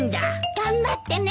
頑張ってね。